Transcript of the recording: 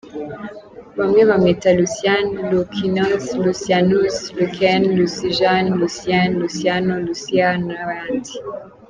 Bamwe bamwita Lucian, Loukianos , Lucianus, Luken , Lucijan , Lucien , Luciano, Lucia n’ayandi.